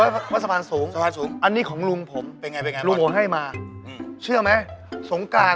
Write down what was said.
ไม่เข้าไปยุ่งกับเขา